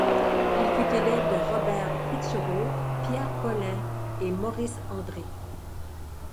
Il fut élève de Robert Pichaureau, Pierre Pollin et Maurice André.